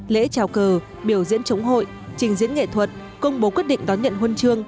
lễ trào cờ biểu diễn chống hội trình diễn nghệ thuật công bố quyết định đón nhận huân chương